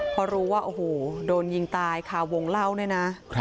พอรู้ว่าโอ้โหโดนยิงตายค่ะวงเล่าเนี่ยนะ